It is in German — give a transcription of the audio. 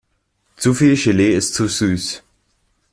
Zu viel Gelee ist zu süß.